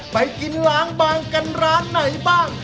ไปกินล้างบางกันร้านไหนบ้าง